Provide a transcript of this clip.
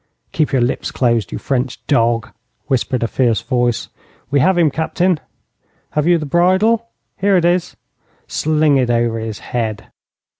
'Keep your lips closed, you French dog,' whispered a fierce voice. 'We have him, captain.' 'Have you the bridle?' 'Here it is.' 'Sling it over his head.'